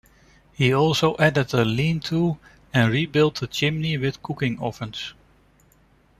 He also added a lean-to and rebuilt the chimney with cooking ovens.